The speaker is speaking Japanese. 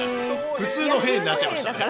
普通のへぇになっちゃいましたね。